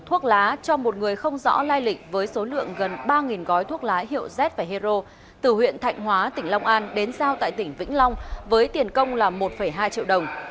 thuốc lá cho một người không rõ lai lịch với số lượng gần ba gói thuốc lá hiệu z và hero từ huyện thạnh hóa tỉnh long an đến giao tại tỉnh vĩnh long với tiền công là một hai triệu đồng